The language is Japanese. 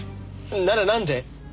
ならなんで？